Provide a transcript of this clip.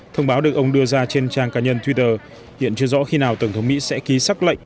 thông báo được ông đưa ra trên trang cá nhân twitter hiện chưa rõ khi nào tổng thống mỹ sẽ ký xác lệnh